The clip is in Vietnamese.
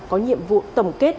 có nhiệm vụ tổng kết